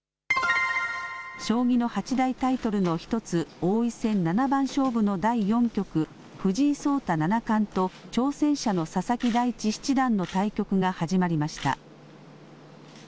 将棋の八大タイトルの一つ、王位戦七番勝負の第４局、藤井聡太七冠と、挑戦者の佐々木大地七段の対局が始まりました。